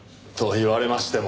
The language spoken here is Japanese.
言われましても。